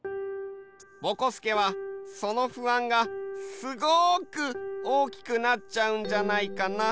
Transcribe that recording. ぼこすけはその不安がすごくおおきくなっちゃうんじゃないかな？